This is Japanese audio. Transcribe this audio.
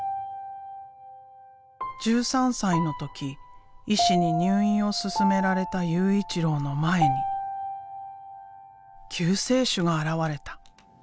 １３歳の時医師に入院を勧められた悠一郎の前に救世主が現れた。